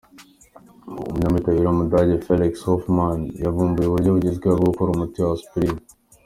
umunyabutabire w’umudage Felix Hoffmann yavumbuye uburyo bugezweho bwo gukora umuti wa Aspirine.